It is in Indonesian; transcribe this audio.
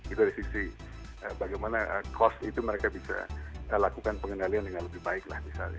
itu dari sisi bagaimana cost itu mereka bisa lakukan pengendalian dengan lebih baik lah misalnya